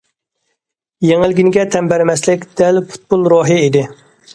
« يېڭىلگىنىگە تەن بەرمەسلىك» دەل پۇتبول روھى ئىدى.